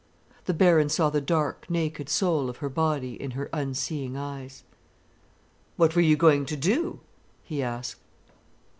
The Baron saw the dark, naked soul of her body in her unseeing eyes. "What were you going to do?" he asked.